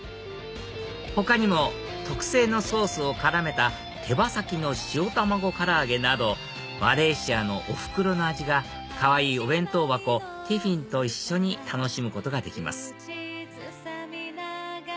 他にも特製のソースを絡めた手羽先の塩卵唐揚げなどマレーシアのおふくろの味がかわいいお弁当箱ティフィンと一緒に楽しむことができます